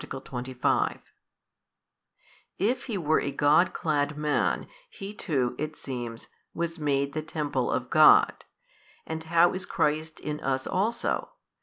If 28 He were a God clad man, He too (it seems) was made the Temple of God, and how is Christ in us also?